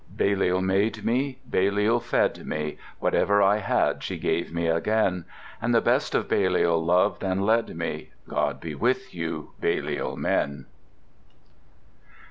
Balliol made me, Balliol fed me, Whatever I had she gave me again; And the best of Balliol loved and led me, God be with you, Balliol men.